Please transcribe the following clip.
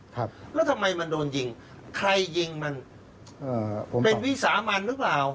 ครับแล้วทำไมมันโดนยิงใครยิงมันเอ่อผมเป็นวิสามันหรือเปล่า